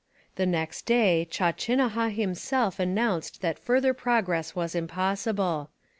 The next day Chawchinahaw himself announced that further progress was impossible.